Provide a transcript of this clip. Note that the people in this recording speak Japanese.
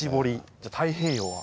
じゃ太平洋は？